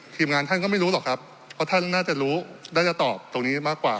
ทีมงานท่านก็ไม่รู้หรอกครับเพราะท่านน่าจะรู้น่าจะตอบตรงนี้มากกว่า